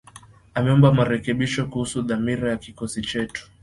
ameomba marekebisho kuhusu dhamira ya kikosi chetu